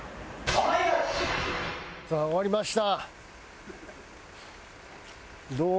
さあ終わりました。